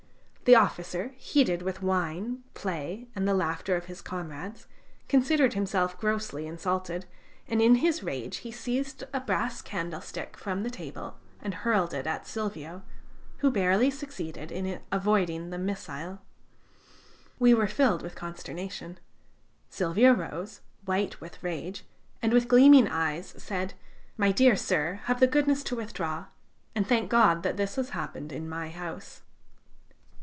The officer, heated with wine, play, and the laughter of his comrades, considered himself grossly insulted, and in his rage he seized a brass candlestick from the table, and hurled it at Silvio, who barely succeeded in avoiding the missile. We were filled with consternation. Silvio rose, white with rage, and with gleaming eyes, said: "My dear sir, have the goodness to withdraw, and thank God that this has happened in my house."